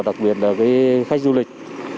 đặc biệt là các khách du lịch